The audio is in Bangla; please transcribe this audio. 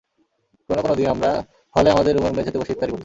কোনো কোনো দিন আমরা হলে আমাদের রুমের মেঝেতে বসে ইফতারি করতাম।